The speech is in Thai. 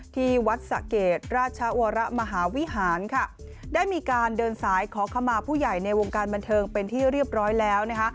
ที่วัดสะเกดราชวรมหาวิหารค่ะได้มีการเดินสายขอขมาผู้ใหญ่ในวงการบันเทิงเป็นที่เรียบร้อยแล้วนะคะ